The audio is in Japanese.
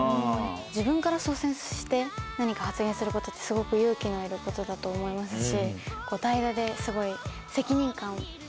自分から率先して何か発言することってすごく勇気のいることだと思いますし。